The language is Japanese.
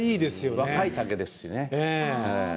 若い竹ですしね。